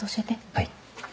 はい。